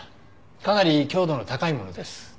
かなり強度の高いものです。